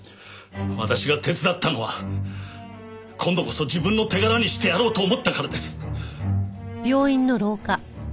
私が手伝ったのは今度こそ自分の手柄にしてやろうと思ったからです。